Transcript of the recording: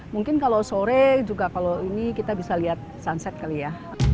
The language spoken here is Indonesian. mungkin kalau sore juga kalau ini kita bisa lihat sunset kali ya